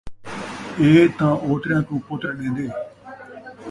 اے تاں اوتریاں کوں پتر ݙیندے